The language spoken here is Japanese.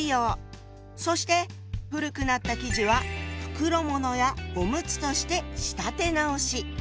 そして古くなった生地は袋ものやおむつとして仕立て直し。